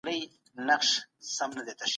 د صبر د ازمویلو دپاره تر سخت فشار